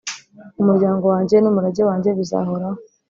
umuryango wanjye n’umurage wanjye bizahoraho